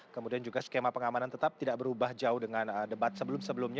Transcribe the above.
kemudian juga skema pengamanan tetap tidak berubah jauh dengan debat sebelum sebelumnya